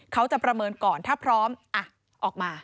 เขาจะประเมินก่อนถ้าพร้อมออกมา